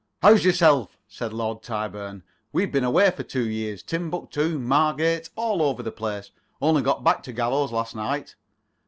"How's yourself?" said Lord Tyburn. "We've been away for two years. Timbuctoo, Margate. All over the place. Only got back to Gallows last night."